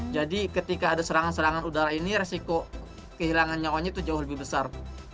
jadi ketika ada serangan serangan udara ini resiko kehilangan nyawanya itu jauh lebih besar